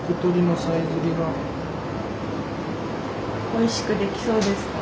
おいしくできそうですか？